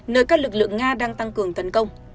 nơi các lực lượng nga đang tăng cường tấn công